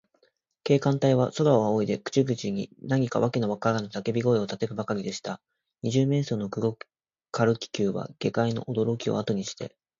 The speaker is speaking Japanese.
警官隊は、空をあおいで、口々に何かわけのわからぬさけび声をたてるばかりでした。二十面相の黒軽気球は、下界のおどろきをあとにして、